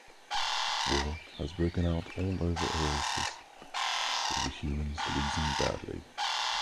War has broken out all over Oasis, with the humans losing badly.